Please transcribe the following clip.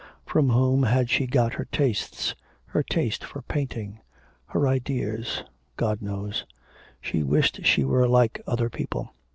From whom had she got her tastes, her taste for painting her ideas, God knows. She wished she were like other people.